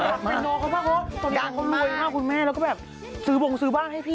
อย่าทำแบบนี้